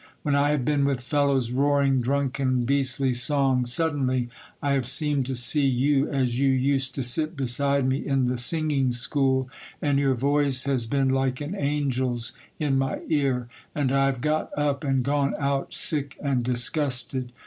When I have been with fellows roaring drunken, beastly songs,—suddenly I have seemed to see you as you used to sit beside me in the singing school, and your voice has been like an angel's in my ear, and I have got up and gone out sick and disgusted.